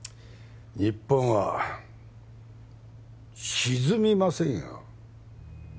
日本は沈みませんよ